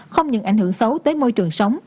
không những ảnh hưởng xấu tới môi trường sống